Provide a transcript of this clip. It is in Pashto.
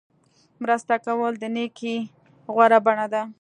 مرسته کول د نیکۍ غوره بڼه ده.